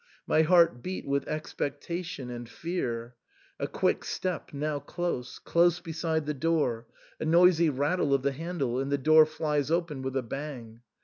My heart beat with expectation and fear. A quick step now close, close beside the door, a noisy rattle of the handle, and the door flies open with a bang.